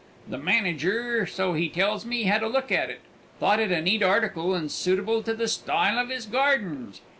The manager, so he tells me, had a look at it, thought it a neat article and suitable to the style of his gardens.